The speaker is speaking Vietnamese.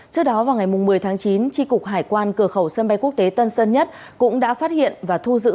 trước đó vào ngày một mươi tháng chín tri cục hải quan cửa khẩu sân bay quốc tế tân sơn nhất cũng đã phát hiện và thu giữ